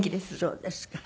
そうですか。